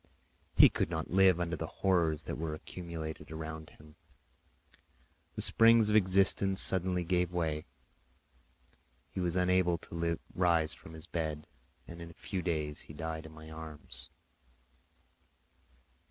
He could not live under the horrors that were accumulated around him; the springs of existence suddenly gave way; he was unable to rise from his bed, and in a few days he died in my arms.